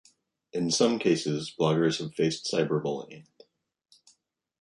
In some cases, bloggers have faced cyberbullying.